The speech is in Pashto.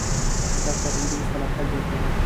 زده کړه د نجونو خلاقیت زیاتوي.